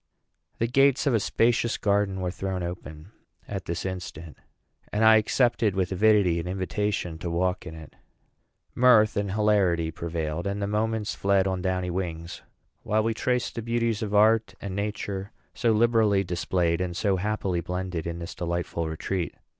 The gates of a spacious garden were thrown open at this instant, and I accepted with avidity an invitation to walk in it. Mirth and hilarity prevailed, and the moments fled on downy wings, while we traced the beauties of Art and Nature, so liberally displayed and so happily blended in this delightful retreat.